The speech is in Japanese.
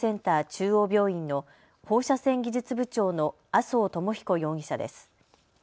中央病院の放射線技術部長の麻生智彦容疑者です。